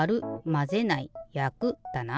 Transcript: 「まぜない」「やく」だな？